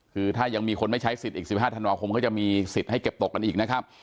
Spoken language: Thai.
คือถ้ายังมีคนไม่ใช้สิทธิ์อีก๑๕ธันวาคมก็จะมีสิทธิ์ให้เก็บตกกันอีกนะครับ